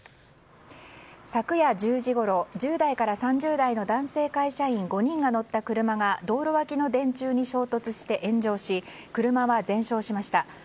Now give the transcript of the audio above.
昨夜１０時ごろ１０代から３０代の会社員５人が乗った車が道路脇の電柱に衝突して炎上し車は全焼しました。